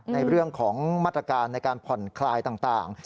ในเรื่องของมาตรการในการผ่อนคลายต่าง